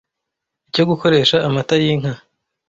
icyo gukoresha Amata y'inka